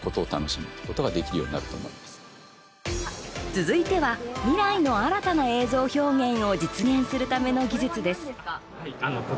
続いては未来の新たな映像表現を実現するための技術です。